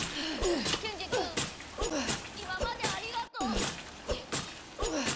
ケンジ君今までありがとう。